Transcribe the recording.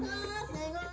nah ini sudah hilang